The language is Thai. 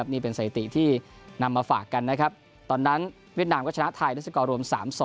นี่เป็นสถิติที่นำมาฝากกันตอนนั้นเวียดนามก็ชนะไทยได้เจ้าขอรวม๓๒